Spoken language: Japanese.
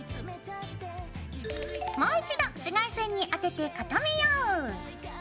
もう一度紫外線に当てて固めよう！